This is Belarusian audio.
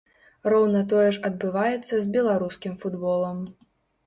Роўна тое ж адбываецца з беларускім футболам.